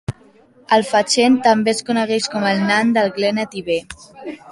El Fachen també es coneix com el Nan de Glen Etive.